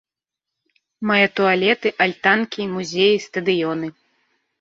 Мае туалеты, альтанкі, музеі, стадыёны.